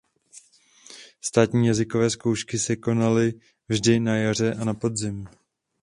Státní jazykové zkoušky se konaly vždy na jaře a na podzim.